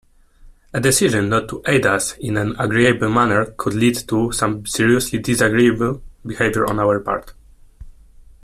A decision not to aid us in an agreeable manner could lead to some seriously disagreeable behaviour on our part.